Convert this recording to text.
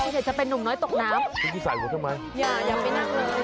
คุณจะนัดปลาสิคุณจะนัดเลยแบบนี้